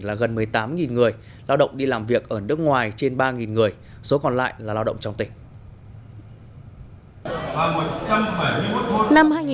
là gần một mươi tám người lao động đi làm việc ở nước ngoài trên ba người số còn lại là lao động trong tỉnh